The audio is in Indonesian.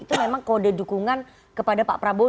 itu memang kode dukungan kepada pak prabowo